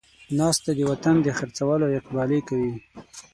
ناست دی د وطن د خر څولو اقبالې کوي